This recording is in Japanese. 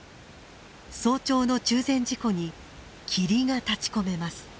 早朝の中禅寺湖に霧が立ちこめます。